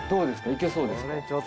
いけそうですか？